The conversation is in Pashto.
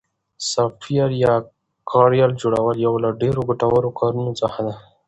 د سافټویر یا کاریال جوړل یو له ډېرو ګټورو کارونو څخه ده